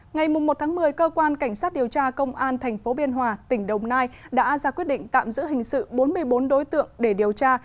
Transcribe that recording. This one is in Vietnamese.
ngày một một mươi cơ quan cảnh sát điều tra công an tp biên hòa tỉnh đồng nai đã ra quyết định tạm giữ hình sự bốn mươi bốn đối tượng để điều tra